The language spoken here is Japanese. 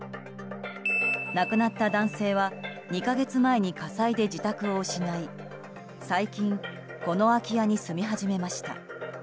亡くなった男性は２か月前に火災で自宅を失い最近、この空き家に住み始めました。